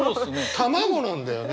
卵なんだよね。